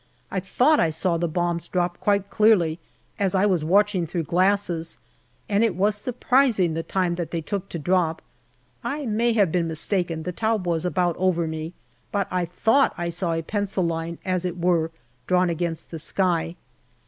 I thought I saw the bombs drop quite clearly, as I was watching through glasses, and it was surprising the time that they took to drop. I may have been mis taken the Taube was about over me but I thought I saw a pencil line, as it were, drawn against the sky.